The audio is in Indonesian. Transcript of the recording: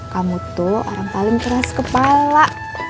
kamu tuh orang paling keras kepala